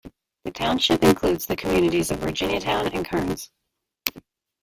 The township includes the communities of Virginiatown and Kearns.